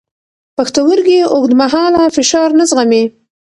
پښتورګي اوږدمهاله فشار نه زغمي.